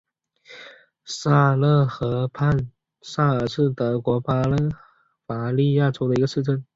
萨勒河畔萨尔是德国巴伐利亚州的一个市镇。